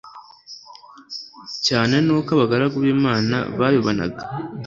cyane n uko abagaragu b imana babibonaga